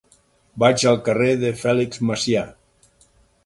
Vaig al carrer de Fèlix Macià.